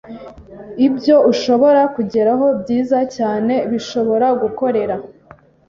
ibyo ushobora kugeraho byiza cyane bishobora gukorera